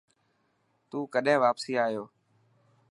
تون ڪڏهن واپسي آيو.